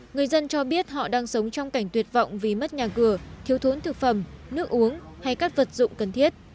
người dân cho biết họ đang sống trong cảnh tuyệt vọng vì mất nhà cửa thiếu thốn thực phẩm nước uống hay các vật dụng cần thiết